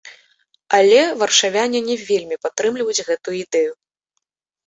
Але варшавяне не вельмі падтрымліваюць гэтую ідэю.